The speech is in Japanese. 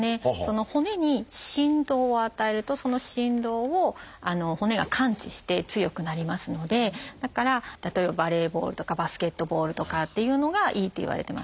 骨に振動を与えるとその振動を骨が感知して強くなりますのでだから例えばバレーボールとかバスケットボールとかっていうのがいいっていわれてます。